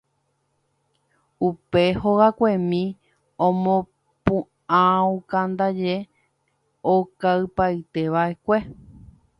Upe hogakuemi omopu'ãukándaje okaipaitéva'ekue.